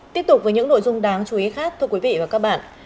tiếp tục với những nội dung đáng chú ý khác thưa quý vị và các bạn